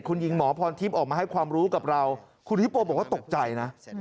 คุณหญิงหมอพรทิพย์ออกมาให้ความรู้กับเราคุณฮิปโปบอกว่าตกใจนะ